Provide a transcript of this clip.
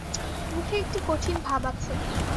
মুখে একটি কঠিন ভাব আছে।